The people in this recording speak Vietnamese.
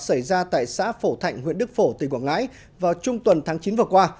xảy ra tại xã phổ thạnh huyện đức phổ tỉnh quảng ngãi vào trung tuần tháng chín vừa qua